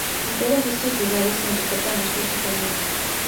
En todos estos lugares, Enriqueta mostró su talento.